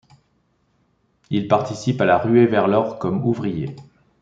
Il participe à la ruée vers l'or comme ouvrier.